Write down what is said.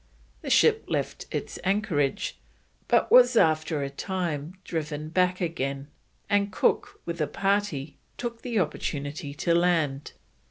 The ship left its anchorage, but was after a time driven back again, and Cook, with a party, took the opportunity to land.